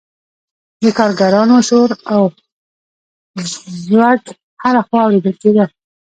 د کارګرانو شور او ځوږ هر خوا اوریدل کیده.